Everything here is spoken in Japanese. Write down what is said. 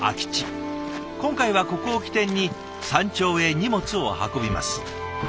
今回はここを起点に山頂へ荷物を運びます。